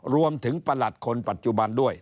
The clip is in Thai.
ประหลัดคนปัจจุบันด้วย